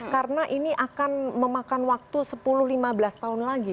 karena ini akan memakan waktu sepuluh lima belas tahun lagi